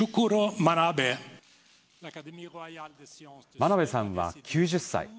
真鍋さんは９０歳。